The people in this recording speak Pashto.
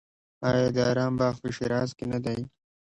آیا د ارم باغ په شیراز کې نه دی؟